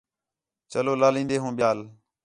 چلو لالین٘دے ہوں ٻیال